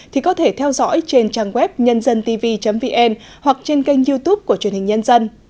thì có thể theo dõi trên trang web nhândântv vn hoặc trên kênh youtube của truyền hình nhân dân